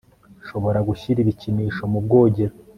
nshobora gushyira ibikinisho mu bwogero